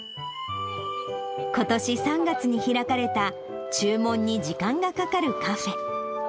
ことし３月に開かれた、注文に時間がかかるカフェ。